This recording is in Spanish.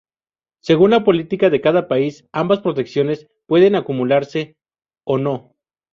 Según la política de cada país, ambas protecciones pueden acumularse o no.